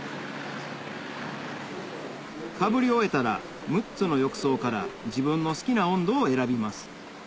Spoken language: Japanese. かぶり終えたら６つの浴槽から自分の好きな温度を選びます